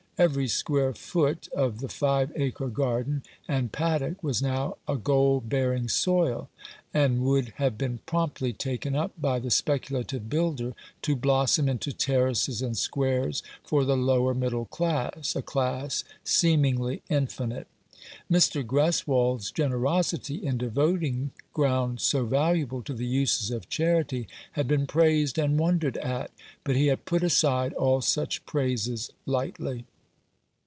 Every square foot of the five acre garden and paddock was now a gold bearing soil, and would have been promptly taken up by the speculative builder, to blossom into terraces and squares for the lower middle class — a class seemingly infinite. Mr. Greswold's generosity in devoting ground so valuable to the uses of charity had been praised and wondered at, but he had put aside all such praises lightly.